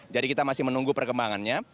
jadi kita masih menunggu perkembangannya